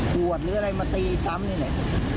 บวชหรืออะไรมาตีซ้ำนี่นี่